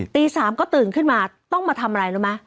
ตี๓ก็ตื่นขึ้นมาต้องมาทำอะไรรู้ไหม